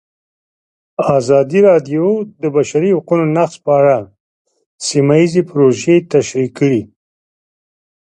ازادي راډیو د د بشري حقونو نقض په اړه سیمه ییزې پروژې تشریح کړې.